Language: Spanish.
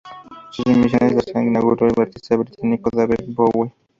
Sus emisiones las inauguró el artista británico David Bowie.